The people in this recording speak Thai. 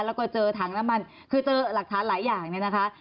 แล้วก็เจอถังน้ำมันคือเจอหลักฐานหลายอย่างเนี่ยนะคะ